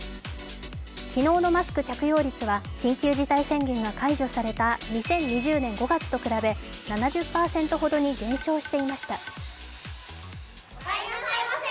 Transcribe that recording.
昨日のマスク着用率は緊急事態宣言が解除された２０２０年５月と比べ、７０％ほどに減少していました。